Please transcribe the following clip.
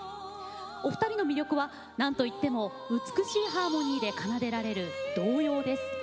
お二人の魅力はなんといっても美しいハーモニーで奏でられる童謡です。